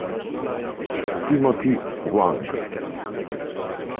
Timothy Wang